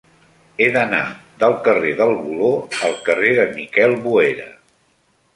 He d'anar del carrer del Voló al carrer de Miquel Boera.